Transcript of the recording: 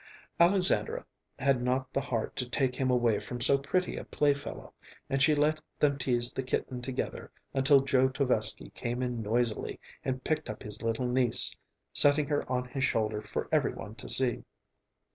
Alexandra had not the heart to take him away from so pretty a playfellow, and she let them tease the kitten together until Joe Tovesky came in noisily and picked up his little niece, setting her on his shoulder for every one to see.